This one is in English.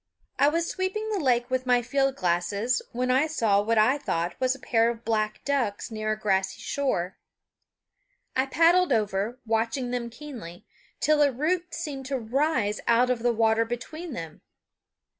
I was sweeping the lake with my field glasses when I saw what I thought was a pair of black ducks near a grassy shore. I paddled over, watching them keenly, till a root seemed to rise out of the water between them.